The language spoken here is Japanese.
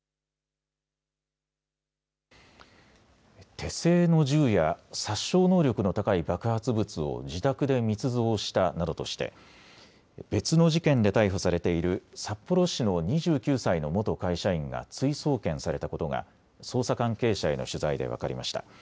手製の銃や殺傷能力の高い爆発物を自宅で密造したなどとして別の事件で逮捕されている札幌市の２９歳の元会社員が追送検されたことが捜査関係者への取材で分かりました。